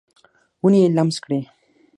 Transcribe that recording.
ونې یې لمس کړي